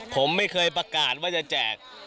ผมไม่เคยประกาศว่าจะแจก